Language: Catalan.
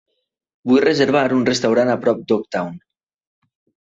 Vull reservar un restaurant a prop d'Oaktown.